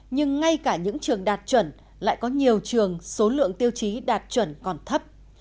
nhưng ngay cả những trường đạt chuẩn lại có nhiều trường số lượng tiêu chí đạt chuẩn còn thấp